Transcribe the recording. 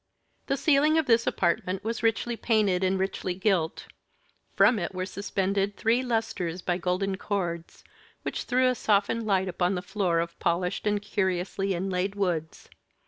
The ceiling of this apartment was richly painted and richly gilt; from it were suspended three lustres by golden cords, which threw a softened light upon the floor of polished and curiously inlaid woods.